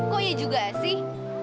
kok iya juga sih